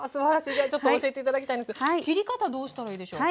じゃあちょっと教えて頂きたいんですけど切り方どうしたらいいでしょう？